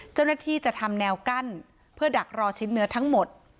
เจ้าหน้าที่จะทำแนวกั้นเพื่อดักรอชิ้นเนื้อทั้งหมด